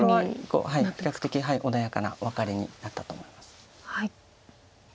これは比較的穏やかなワカレになったと思います。